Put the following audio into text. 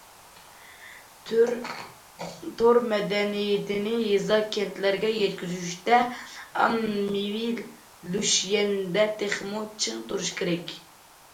تور مەدەنىيىتىنى يېزا، كەنتلەرگە يەتكۈزۈشتە ئاممىۋى لۇشيەندە تېخىمۇ چىڭ تۇرۇش كېرەك.